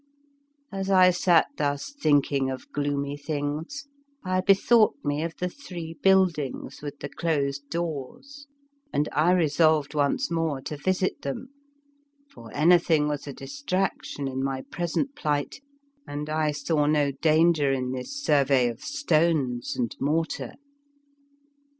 As I sat thus thinking of gloomy things, I bethought me of the three buildings with the closed doors, and I resolved once more to visit them; for anything was a distraction in my pre sent plight, and I saw no danger in this survey of stones and mortar.